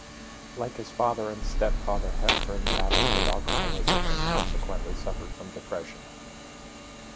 Like his father and stepfather, Hepburn battled with alcoholism and consequently suffered from depression.